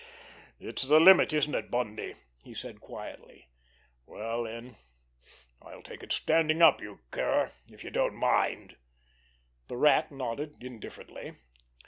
"It's the limit, is it, Bundy?" he said quietly. "Well, then, I'll take it standing up, you cur, if you don't mind." The Rat nodded indifferently.